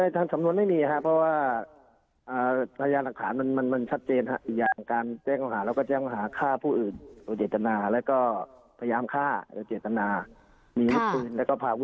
ครับสำนวนไม่มีค่ะเพราะว่าอ่าพยาขามันมันมันชัดเจนค่ะ